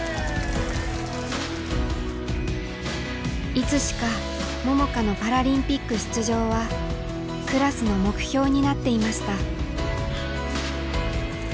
いつしか桃佳のパラリンピック出場はクラスの目標になっていました。